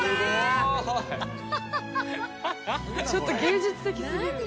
ちょっと芸術的過ぎる。